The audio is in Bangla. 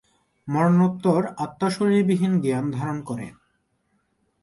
মরণোত্তর আত্মা শরীর বিহীন জ্ঞান ধারণ করে?